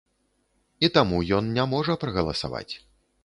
І таму ён не можа прагаласаваць.